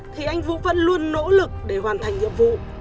thì anh vũ vẫn luôn nỗ lực để hoàn thành nhiệm vụ